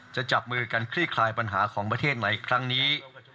จะจับมือกันคลี่คลายปัญหาของประเทศใหม่ครั้งนี้